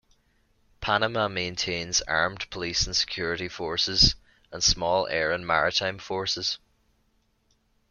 Panama maintains armed police and security forces, and small air and maritime forces.